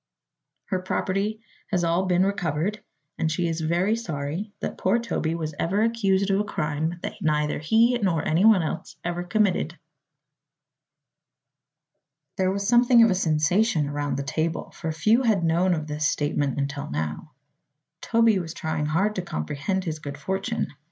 Her property has all been recovered and she is very sorry that poor Toby was ever accused of a crime that neither he nor anyone else ever committed." There was something of a sensation around the table, for few had known of this statement until now. Toby was trying hard to comprehend his good fortune.